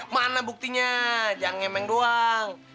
mana buktinya jangan ngemeng doang